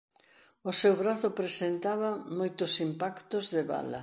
O seu brazo presentaba moitos impactos de bala.